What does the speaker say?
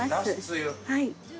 はい。